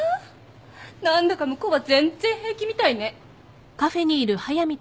何だか向こうは全然平気みたいね。